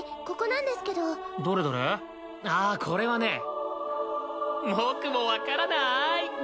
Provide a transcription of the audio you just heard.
ここなんですけどどれどれあこれはね僕も分からない